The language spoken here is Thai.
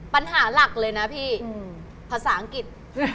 ปัญหาหลักเลยนะพี่ภาษาอังกฤษ